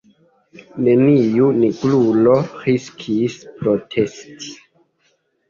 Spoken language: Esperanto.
Neniu nigrulo riskis protesti.